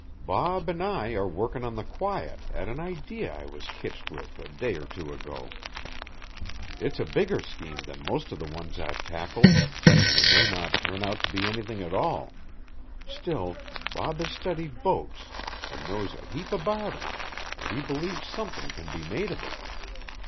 "Bob an' I are workin' on the quiet at an idee I was kitched with a day or two ago. It's a bigger scheme than most of the ones I've tackled, an' it may not turn out to be anything at all; still, Bob has studied boats an' knows a heap about 'em, an' he believes somethin' can be made of it.